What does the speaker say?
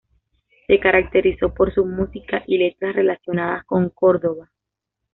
Se caracterizó por su música y letras relacionadas con Córdoba.